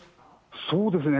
そうですね。